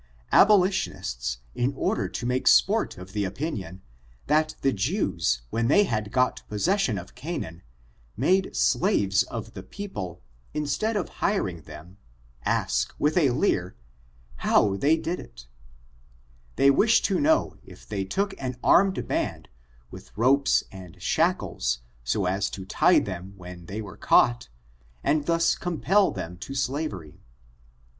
Abolitionists, in order to make sport of the opinion. #^^^i#^^^ I 188 ORIGIN, CHARACTER, AND that the Jews, when they had got possession of Ca« naan, made slaves of the people instead of hiring them, ask, with a leer, hjow they did it They wish to know if they took an armed band, with ropes and shackles, so as to tie them when they were caught| and thus compel them to slavery.